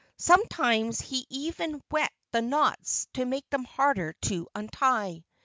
Sometimes he even wet the knots, to make them harder to untie.